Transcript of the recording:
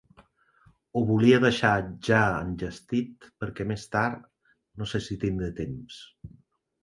Ho volia deixar ja enllestit perquè més tard no sé si tindré temps.